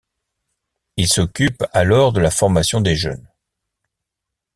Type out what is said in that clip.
Il s'occupe alors de la formation des jeunes.